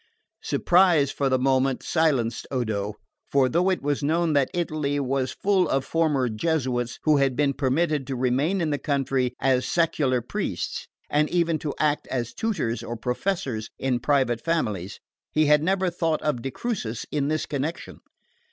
Surprise for the moment silenced Odo; for though it was known that Italy was full of former Jesuits who had been permitted to remain in the country as secular priests, and even to act as tutors or professors in private families, he had never thought of de Crucis in this connection.